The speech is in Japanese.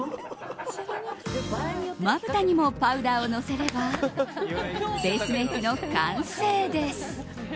まぶたにもパウダーをのせればベースメイクの完成です。